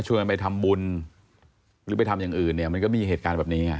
ไปทำบุญหรือไปทำอย่างอื่นเนี่ยมันก็มีเหตุการณ์แบบนี้ไง